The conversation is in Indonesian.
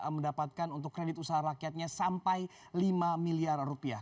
mendapatkan untuk kredit usaha rakyatnya sampai lima miliar rupiah